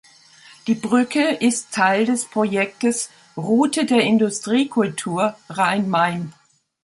Die Brücke ist Teil des Projektes Route der Industriekultur Rhein-Main.